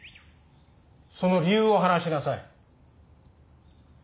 その理由を話しなさい。